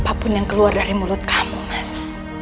apapun yang keluar dari mulut kamu mas